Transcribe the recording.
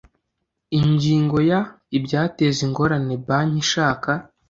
Ingingo ya ibyateza ingorane banki ishaka